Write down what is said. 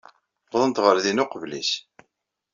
Uwḍent ɣer din uqbel-is.